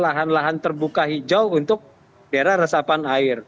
lahan lahan terbuka hijau untuk daerah resapan air